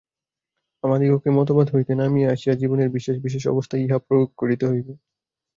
আমাদিগকে মতবাদ হইতে নামিয়া আসিয়া জীবনের বিশেষ বিশেষ অবস্থায় ইহা প্রয়োগ করিতে হইবে।